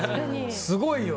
すごいよ。